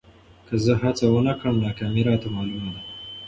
که زه هڅه ونه کړم، ناکامي راته معلومه ده.